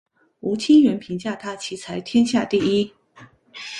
吴清源评价他棋才天下第一。